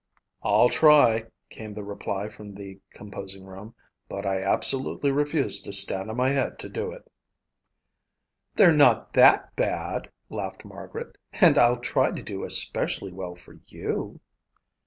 "I'll try," came the reply from the composing room, "but I absolutely refuse to stand on my head to do it." "They're not that bad," laughed Margaret, "and I'll try to do especially well for you."